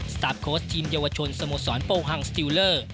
ตาร์ฟโค้ชทีมเยาวชนสโมสรโปฮังสติลเลอร์